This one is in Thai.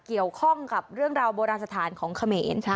เกี่ยวข้องกับเรื่องราวโบราณสถานของเขมร